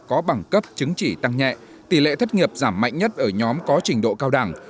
có bằng cấp chứng chỉ tăng nhẹ tỷ lệ thất nghiệp giảm mạnh nhất ở nhóm có trình độ cao đẳng